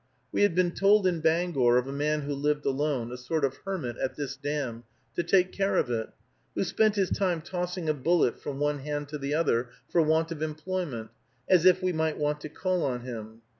We had been told in Bangor of a man who lived alone, a sort of hermit, at that dam, to take care of it, who spent his time tossing a bullet from one hand to the other, for want of employment, as if we might want to call on him.